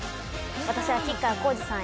私は吉川晃司さん